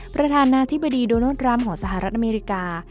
ประธานาธิบดีโดนัลดทรัมป์ของสหรัฐอเมริกา